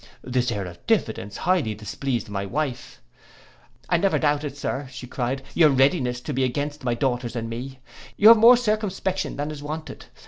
—This air of diffidence highly displeased my wife. 'I never doubted, Sir,' cried she, 'your readiness to be against my daughters and me. You have more circumspection than is wanted.